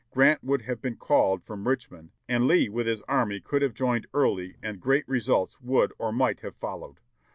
Grant would have been called from Rich mond and Lee with his army could have joined Early and great re sults would or might have followed.